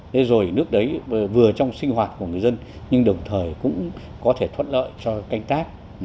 thế rồi nước đấy vừa trong sinh hoạt của người dân nhưng đồng thời cũng có thể thuận lợi cho canh tác